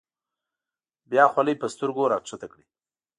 بیا خولۍ په سترګو راښکته کړي.